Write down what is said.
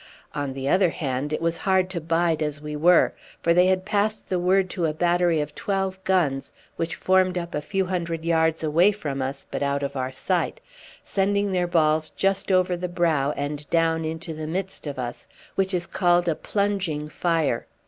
On the other hand, it was hard to bide as we were; for they had passed the word to a battery of twelve guns, which formed up a few hundred yards away from us, but out of our sight, sending their balls just over the brow and down into the midst of us, which is called a plunging fire.